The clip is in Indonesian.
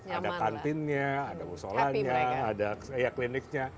ada kantinnya ada musolanya ada kliniknya